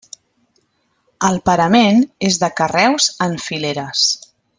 El parament és de carreus en fileres.